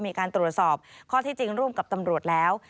มีการตรวจสอบข้อที่จริงร่วมกับตำรวจแล้ว